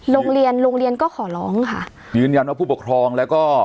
โรงเรียนโรงเรียนก็ขอร้องค่ะยืนยันว่าผู้ปกครองแล้วก็